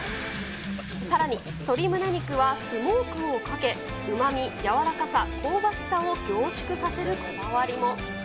さらに鶏胸肉はスモークをかけ、うまみ、柔らかさ、香ばしさを凝縮させるこだわりも。